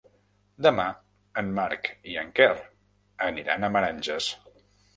Demà en Marc i en Quer aniran a Meranges.